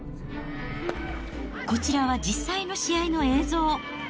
こちらは実際の試合の映像。